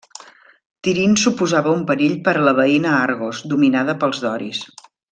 Tirint suposava un perill per a la veïna Argos, dominada pels doris.